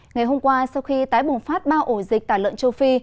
ngày hôm qua sau khi tái bùng phát ba ổ dịch tả lợn châu phi